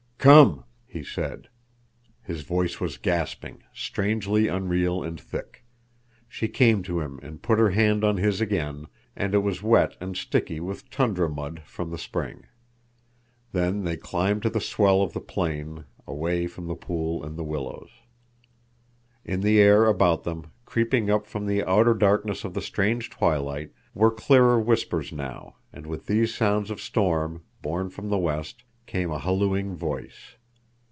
"Come," he said. His voice was gasping, strangely unreal and thick. She came to him and put her hand in his again, and it was wet and sticky with tundra mud from the spring. Then they climbed to the swell of the plain, away from the pool and the willows. In the air about them, creeping up from the outer darkness of the strange twilight, were clearer whispers now, and with these sounds of storm, borne from the west, came a hallooing voice.